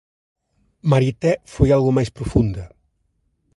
Marité foi algo máis profunda: